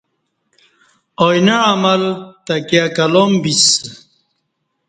آئینہ عمل تکیہ کلام بیسہ